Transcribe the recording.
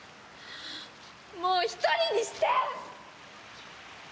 もう一人にして！